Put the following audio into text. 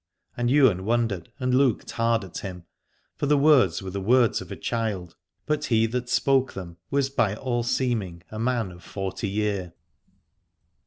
And Ywain wondered and looked hard at him : for the words were the words of a child, but he that spoke them was by all seeming a man of forty year.